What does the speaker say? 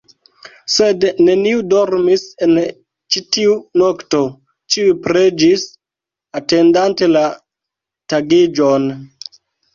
Sed neniu dormis en ĉi tiu nokto, ĉiuj preĝis, atendante la tagiĝon.